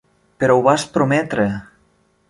Però ho vas prometre!